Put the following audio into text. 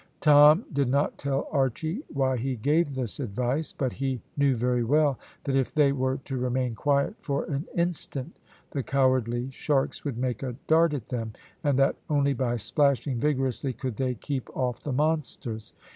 Tom did not tell Archy why he gave this advice, but he knew very well that if they were to remain quiet for an instant the cowardly sharks would make a dart at them, and that only by splashing vigorously could they keep off the monsters.